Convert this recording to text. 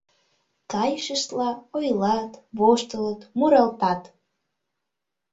Кайышыштла ойлат, воштылыт, муралтат.